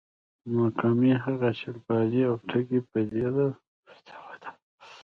ناکامي هغې چلبازې او ټګې پديدې ته ورته ده.